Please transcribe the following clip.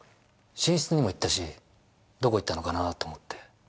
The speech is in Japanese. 寝室にも行ったしどこ行ったのかなって思って。